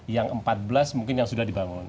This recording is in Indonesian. yang empat belas mungkin yang sudah dibangun